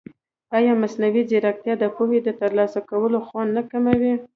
ایا مصنوعي ځیرکتیا د پوهې د ترلاسه کولو خوند نه کموي؟